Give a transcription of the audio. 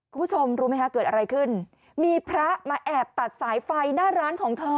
คุณผู้ชมรู้ไหมคะเกิดอะไรขึ้นมีพระมาแอบตัดสายไฟหน้าร้านของเธอ